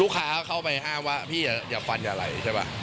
ลูกค้าเข้าไปห้ามว่าพี่อย่าฟันอย่าไหลใช่ปะ